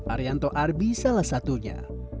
arianto arbi salah satunya